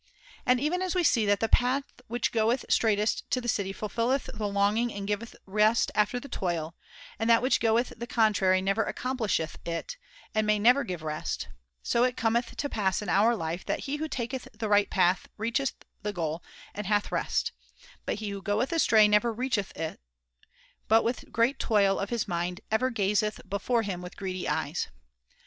And even as we see that the path which goeth straightest to the city fulfiUeth the longing and giveth rest after the toil, and that which goeth the contrary way never accomplisheth it, and may never give rest, so it cometh to pass in our life that he who taketh the right path reacheth the goal and hath rest, but he who goeth astray never reacheth it, but with great toil of [aooj his mind ever gazeth before him with greedy eyes.